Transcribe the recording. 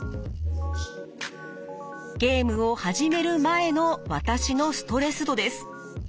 ゲームを始める前の私のストレス度です。